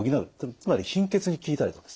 つまり貧血に効いたりですね